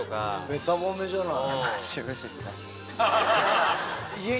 べた褒めじゃない。